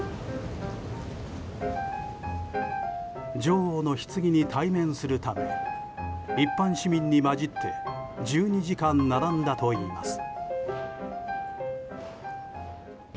女王のひつぎに対面するため一般市民に交じって１２時間並んだといいます。